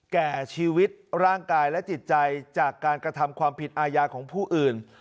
แก่ชีวิตร่างกายและจิตใจจากการกระทำความผิดอาญาของผู้อื่น